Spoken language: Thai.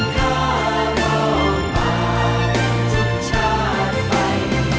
พอเห็นข้ารอมาทุกชาติไป